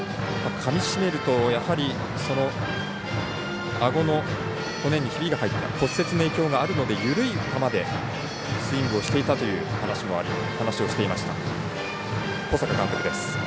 かみ締めると、やはりあごの骨にひびが入った骨折の影響があるので緩い球でスイングをしていたという話をしていました小坂監督です。